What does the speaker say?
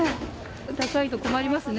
高いと困りますね。